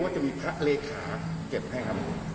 อ็คว่าจะมีพระเลขาเก็บให้ครับ